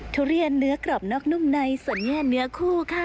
ทุเรียนเนื้อกรอบนอกนุ่มในส่วนแง่เนื้อคู่ค่ะ